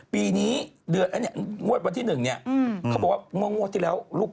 ปีนี้เดือดเงินวันที่นึงคำบอกว่าเงินที่นี่เกือบครับ